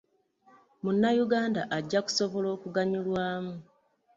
Munnayuganda ajja kusobola okuganyulwamu